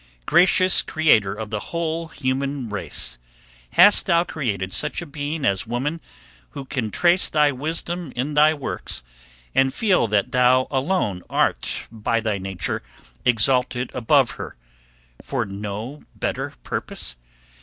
Gracious Creator of the whole human race! hast thou created such a being as woman, who can trace thy wisdom in thy works, and feel that thou alone art by thy nature, exalted above her for no better purpose?